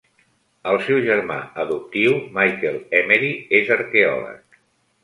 El seu germà adoptiu, Michael Emery, és arqueòleg.